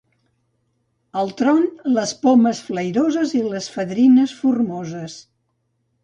Altron, les pomes flairoses i les fadrines formoses.